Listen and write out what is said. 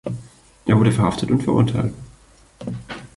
Er wurde verhaftet und verurteilt.